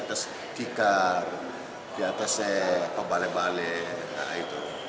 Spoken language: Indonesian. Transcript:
di atas kitar di atas pabale pabale seperti itu